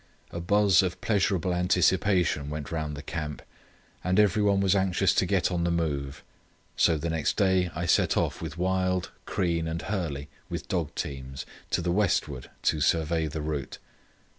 A buzz of pleasurable anticipation went round the camp, and every one was anxious to get on the move. So the next day I set off with Wild, Crean, and Hurley, with dog teams, to the westward to survey the route.